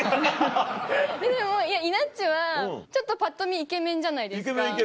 全然もういやいなっちはちょっとぱっと見イケメンじゃないですか。